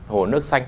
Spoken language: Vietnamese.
hồ nước xanh